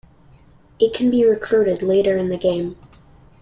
It can be recruited later in the game.